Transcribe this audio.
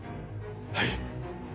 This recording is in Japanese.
はい。